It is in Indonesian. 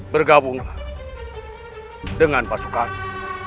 bergabunglah dengan pasukannya